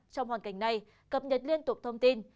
trong hoàn cảnh này cập nhật liên tục thông tin